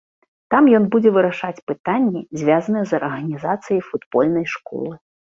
Там ён будзе вырашаць пытанні, звязаныя з арганізацыяй футбольнай школы.